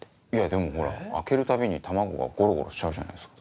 でも開けるたびに卵がゴロゴロしちゃうじゃないですか。